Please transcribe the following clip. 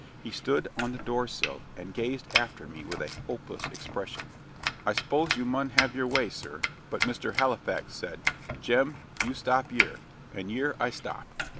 He stood on the door sill, and gazed after me with a hopeless expression. "I s'pose you mun have your way, sir; but Mr. Halifax said, 'Jem, you stop y'ere,' and y'ere I stop."